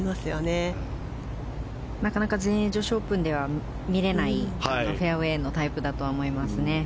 なかなか全英女子オープンでは見れないフェアウェーのタイプだと思いますね。